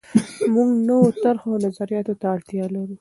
موږ نویو طرحو او نظریاتو ته اړتیا لرو.